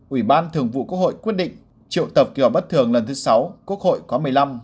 ủy ban thường vụ quốc hội quyết định triệu tập kỳ họp bất thường lần thứ sáu quốc hội khóa một mươi năm